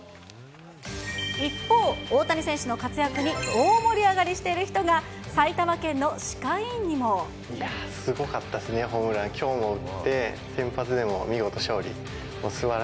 一方、大谷選手の活躍に、大盛り上がりしている人が、すごかったですね、ホームラン、きょうも打って、先発でも見事勝利。